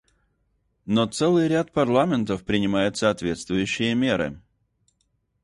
Но целый ряд парламентов принимает соответствующие меры.